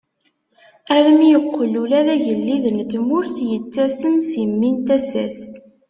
Armi yeqqel ula d agellid n tmurt yettasem si mmi n tasa-s.